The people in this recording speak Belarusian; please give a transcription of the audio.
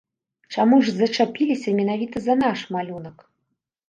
Чаму ж зачапіліся менавіта за наш малюнак?